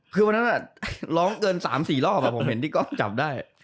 คือวันนั้นร้องเกิน๓๔รอบผมเห็นที่ก๊อฟจับได้